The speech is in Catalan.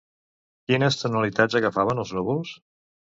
Quines tonalitats agafaven els núvols?